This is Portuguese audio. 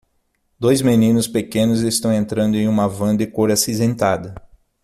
Dois meninos pequenos estão entrando em uma van de cor acinzentada.